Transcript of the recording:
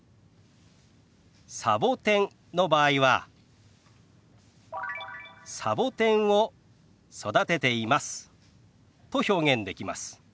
サボテンの場合は「サボテンを育てています」と表現できます。